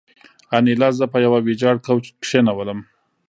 انیلا زه په یوه ویجاړ کوچ کې کېنولم